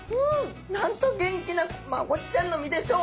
なんと元気なマゴチちゃんの身でしょう。